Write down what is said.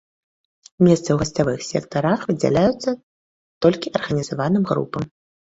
Месцы ў гасцявых сектарах выдзяляюцца толькі арганізаваным групам.